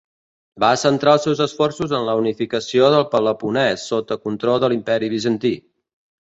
Va centrar els seus esforços en la unificació del Peloponès sota control de l'Imperi Bizantí.